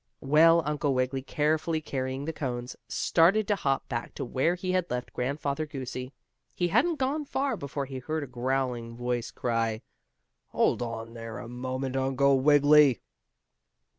Well, Uncle Wiggily, carefully carrying the cones, started to hop back to where he had left Grandfather Goosey. He hadn't gone far before he heard a growling voice cry out: "Hold on there a moment, Uncle Wiggily!"